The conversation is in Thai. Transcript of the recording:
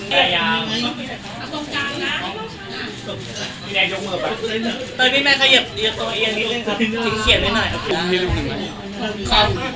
เต้ยมีเป็นไงขยับตรงเองนี้เลยครับ